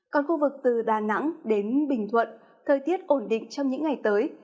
còn khu vực từ đà nẵng đến bình thuận thời tiết ổn định trong những ngày tới